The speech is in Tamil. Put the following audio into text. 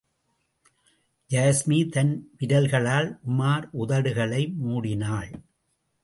யாஸ்மி தன் விரல்களால் உமார் உதடுகளை மூடினாள்.